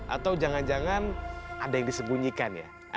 atau jangan jangan ada yang disembunyikan ya